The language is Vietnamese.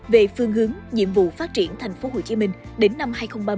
để phương hướng nhiệm vụ phát triển thành phố hồ chí minh đến năm hai nghìn ba mươi